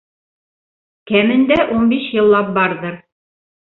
Кәмендә ун биш йыллап барҙыр.